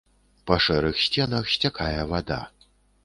Па шэрых сценах сцякае вада.